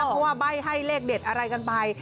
เพราะว่าใบ้ให้เลขเด็ดอะไรกันไป